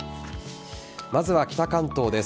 まずは北関東です。